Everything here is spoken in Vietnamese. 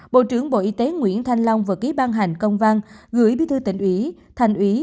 bộ trưởng bộ y tế nguyễn thanh long vừa ký ban hành công văn gửi bí thư tỉnh ủy thành ủy